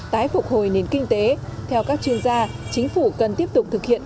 tái phục hồi nền kinh tế theo các chuyên gia chính phủ cần tiếp tục thực hiện